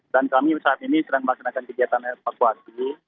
dan kami saat ini sedang melaksanakan kegiatan evakuasi